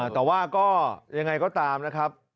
แต่ว่าก็ยังไงก็ตามนะครับ